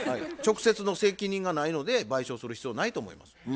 直接の責任がないので賠償する必要ないと思います。